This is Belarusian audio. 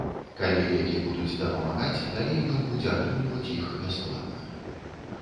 Калі лекі будуць дапамагаць, далей ён будзе атрымліваць іх бясплатна.